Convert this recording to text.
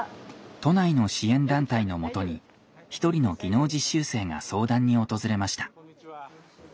都内の支援団体のもとに一人の技能実習生が相談に訪れました。